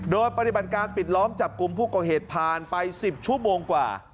โดยปฏิบัติการปิดล้อมจับกลุ่มผู้ก่อเหตุผ่านไป๑๐ชั่วโมงกว่า